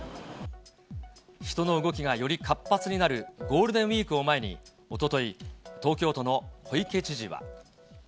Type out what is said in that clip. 人の動きがより活発になるゴールデンウィークを前に、おととい、東京都の小池知事は。